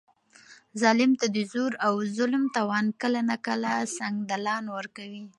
ظالم ته د زور او ظلم توان کله ناکله سنګدلان ورکوي.